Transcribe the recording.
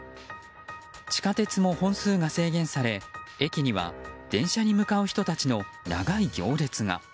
地下鉄も本数が制限され駅には電車に向かう人たちの長い行列が。